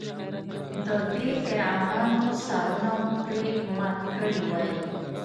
د دې فرعونانو سرونه مو پرې مات کړي وای.